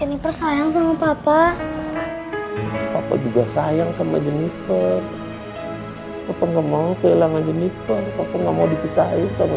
iya bu guri yola gak boleh lagi kesini